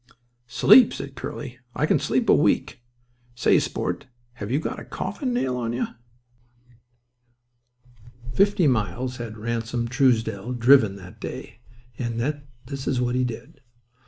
"Sleep!" said Curly. "I can sleep a week. Say, sport, have you got a coffin nail on you?" Fifty miles had Ransom Truesdell driven that day. And yet this is what he did.